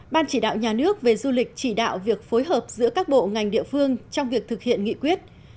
ban chỉ đạo nhà nước về du lịch chỉ đạo việc phối hợp giữa các bộ ngành địa phương trong việc thực hiện nghị quyết